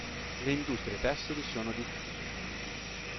Le industrie tessili sono diffuse.